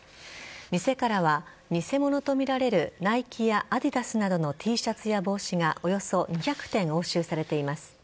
店からは偽物とみられるナイキやアディダスなどのＴシャツや帽子がおよそ２００点を押収されています。